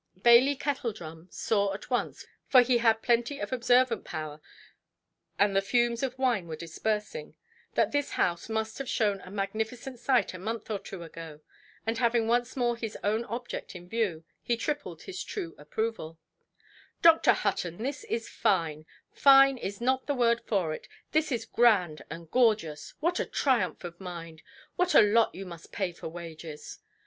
Bailey Kettledrum saw at once—for he had plenty of observant power, and the fumes of wine were dispersing—that this house must have shown a magnificent sight, a month or two ago. And having once more his own object in view, he tripled his true approval. "Dr. Hutton, this is fine. Fine is not the word for it; this is grand and gorgeous. What a triumph of mind! What a lot you must pay for wages"!